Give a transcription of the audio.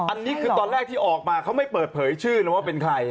อันนี้คือตอนแรกที่ออกมาเขาไม่เปิดเผยชื่อนะว่าเป็นใคร